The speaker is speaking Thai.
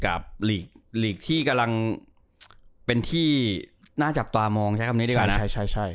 หลีกลีกที่กำลังเป็นที่น่าจับตามองใช้คำนี้ดีกว่านะใช่ใช่